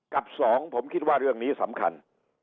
กับสองผมคิดว่าเรื่องนี้สำคัญ